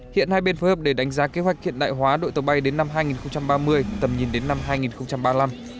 hiện hai bên phối hợp để đánh giá kế hoạch hiện đại hóa đội tàu bay đến năm hai nghìn ba mươi tầm nhìn đến năm hai nghìn ba mươi năm